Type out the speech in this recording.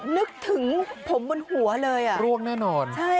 นึกถึงผมบนหัวเลยอ่ะร่วงแน่นอน